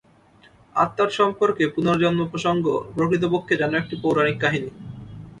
আত্মার সম্পর্কে পুনর্জন্ম-প্রসঙ্গ প্রকৃতপক্ষে যেন একটি পৌরাণিক কাহিনী।